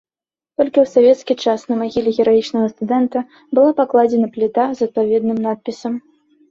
Толькі ў савецкі час на магіле гераічнага студэнта была пакладзена пліта з адпаведным надпісам.